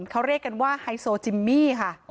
เขาเรียกกันว่าไฮโซจิมมี่ค่ะ